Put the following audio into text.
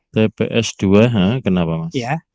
tps dua h kenapa mas